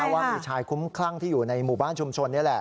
ว่ามีชายคุ้มคลั่งในชุมชน